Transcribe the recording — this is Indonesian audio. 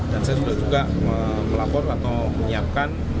dan saya sudah juga melapor atau menyiapkan